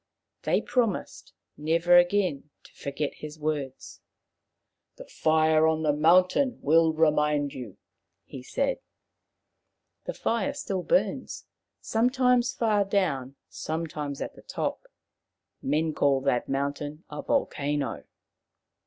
They promised nevei again to forget his words. " The fire on the mountain will remind you," he said. The fire still burns, sometimes far down, some times at the top. Men call that mountain a volcano.